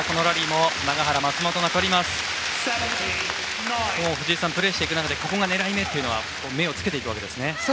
もう藤井さんプレーしていく中でここが狙い目だと目をつけていくわけですね。